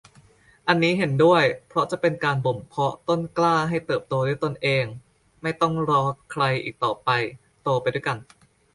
อันนี้เห็นด้วยเพราะจะเป็นการบ่มเพาะต้นกล้าให้เติบโตด้วยตนเอง ไม่ต้องรอใครอีกต่อไป โตไปด้วยกัน